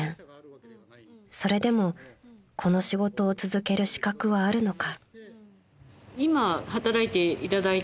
［それでもこの仕事を続ける資格はあるのか］